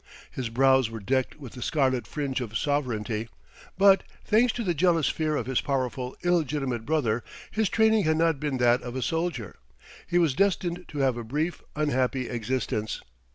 His brows were decked with the Scarlet Fringe of Sovereignty, but, thanks to the jealous fear of his powerful illegitimate brother, his training had not been that of a soldier. He was destined to have a brief, unhappy existence.